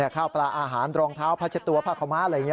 ข้าวปลาอาหารดรองเท้าพัชตัวผ้าขมะอะไรอย่างนี้